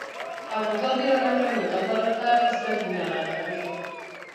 او که ځواب یې رانه کړ نو دا به راته زر دیناره راکړي.